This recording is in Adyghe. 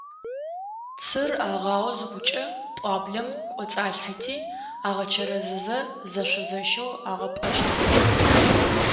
Цыр агъао зыхъукӏэ, пӏуаблэм кӏоцӏалъхьэти, агъэчэрэзызэ зэшъо-зэщэу агъапӏэщтыгъэ.